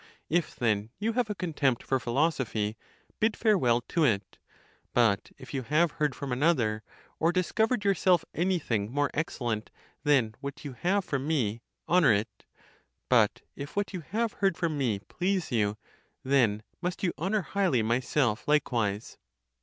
If then you have a contempt for philosophy, bid farewell to it. But if you have heard from another, or discovered 3 yourself any thing more excellent? than what you have from me, honour it. Butif what (you have heard) from me please you, then must you honour highly myself likewise.